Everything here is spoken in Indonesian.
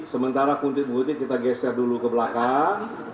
sementara kuntik kuntik kita geser dulu ke belakang